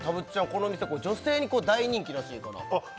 この店女性に大人気らしいからあっ